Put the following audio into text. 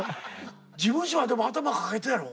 事務所はでも頭抱えたやろ？